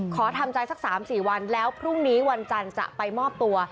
ขอทำใจสัก๓๔วันแล้วพรุ่งนี้วันจันทร์จะไปมอบตัว